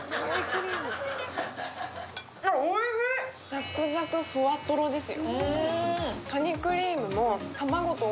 ザクザクふわとろです。